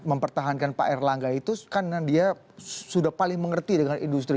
mempertahankan pak erlangga itu kan dia sudah paling mengerti dengan industri